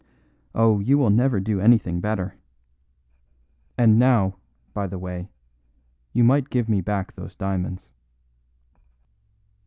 Oh, you will never do anything better. And now, by the way, you might give me back those diamonds."